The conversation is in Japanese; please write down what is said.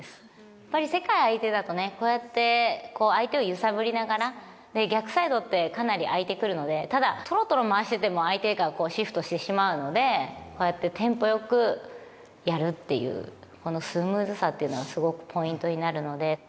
やっぱり世界相手だとね、こうやってこう、相手を揺さぶりながら、逆サイドってかなり空いてくるので、ただ、とろとろ回してても相手がシフトしてしまうので、こうやってテンポよくやるっていう、このスムーズさっていうのがすごくポイント